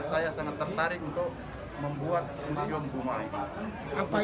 saya sangat tertarik untuk membuat museum rumah ini